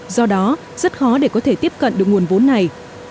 do đó rất khó để có thể tiếp cận được nguồn vốn này